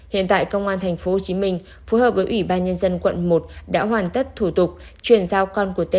hiện tại công an tp hcm phối hợp với ủy ban nhân dân quận một đã hoàn tất thủ tục chuyển giao con của tên